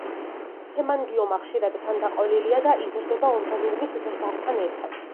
ჰემანგიომა ხშირად თანდაყოლილია და იზრდება ორგანიზმის ზრდასთან ერთად.